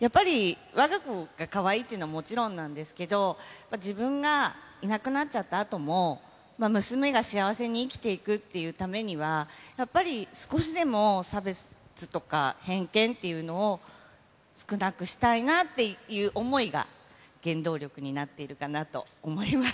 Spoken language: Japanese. やっぱりわが子がかわいいというのはもちろんなんですけど、自分がいなくなっちゃったあとも、娘が幸せに生きていくというためには、やっぱり少しでも差別とか偏見っていうのを、少なくしたいなっていう想いが、原動力になっているかなと思います。